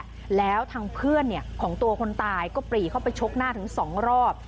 แล้วทางเพื่อนเนี่ยของตัวคนตายก็ปรีเข้าไปชกหน้าถึงสองรอบ